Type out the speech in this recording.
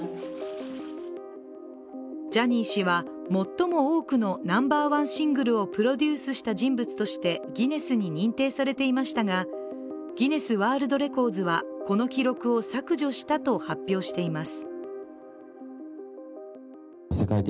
ジャニー氏は、最も多くのナンバーワンシングルをプロデュースした人物としてギネスに認定されていましたがギネスワールドレコーズは、この記録を削除したと発表しています。